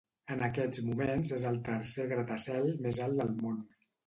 En aquests moments és el tercer gratacel més alt del món.